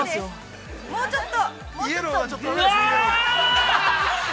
もうちょっと。